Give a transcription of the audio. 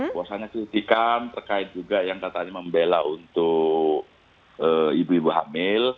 bahwasannya kritikan terkait juga yang katanya membela untuk ibu ibu hamil